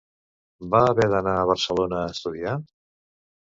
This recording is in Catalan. Va haver d'anar a Barcelona a estudiar?